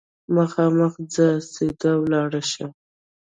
مخامخ ځه ، سیده ولاړ شه !